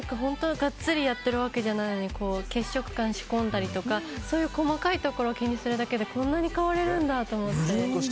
ガッツリやってるわけじゃないのに血色感を仕込んだりとかそういう細かいところを気にするだけでこんなに変われるんだと思って。